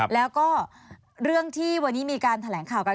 แล้วก็เรื่องที่วันนี้มีการแถลงข่าวกัน